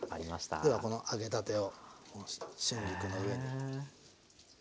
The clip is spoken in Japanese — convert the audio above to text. ではこの揚げたてを春菊の上に。